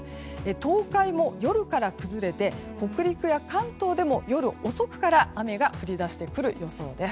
東海も夜から崩れて北陸や関東でも夜遅くから雨が降り出してくる予想です。